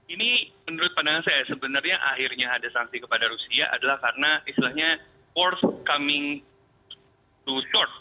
ini menurut pandangan saya sebenarnya akhirnya ada sanksi kepada rusia adalah karena istilahnya force coming to third